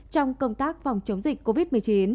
trong công tác phòng chống dịch covid một mươi chín